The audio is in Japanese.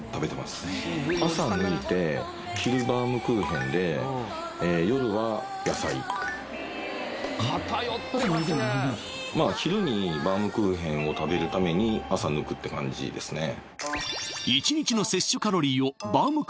朝抜いて昼バウムクーヘンで夜は野菜まあ昼にバウムクーヘンを食べるために朝抜くって感じですね